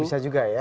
bisa juga ya